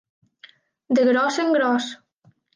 De gros en gros.